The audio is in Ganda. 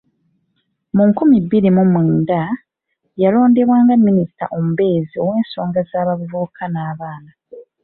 Mu nkumi bbiri mu mwenda yalondebwa nga minisita omubeezi ow’ensonga z’abavubuka n’abaana.